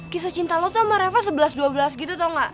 kisah cinta lo tuh sama reva sebelas dua belas gitu atau enggak